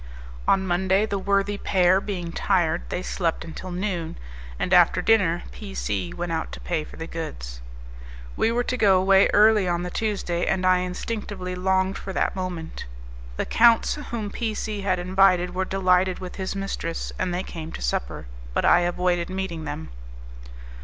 On Monday, the worthy pair being tired, they slept until noon, and after dinner P C went out to pay for the goods. We were to go away early on the Tuesday, and I instinctively longed for that moment. The counts whom P C had invited were delighted with his mistress, and they came to supper; but I avoided meeting them.